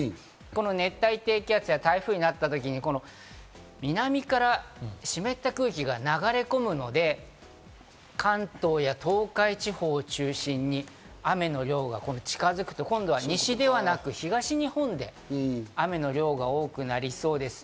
この熱帯低気圧が台風になった時に南から湿った空気が流れ込むので、関東や東海地方を中心に雨の量が近づくと今度は西ではなく東日本で雨の量が多くなりそうです。